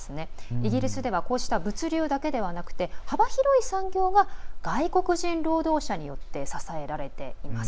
イギリスでは物流だけではなくて幅広い産業が外国人労働者によって支えられています。